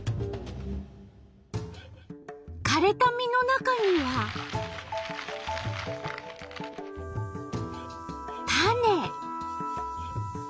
かれた実の中には種。